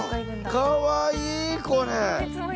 かわいいこれ！